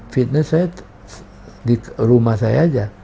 fitness saya di rumah saya aja